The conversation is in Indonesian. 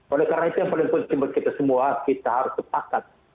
oleh karena itu yang paling penting buat kita semua kita harus sepakat